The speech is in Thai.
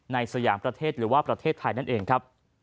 สยามประเทศหรือว่าประเทศไทยนั่นเองครับ